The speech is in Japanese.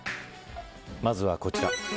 まずは、こちら。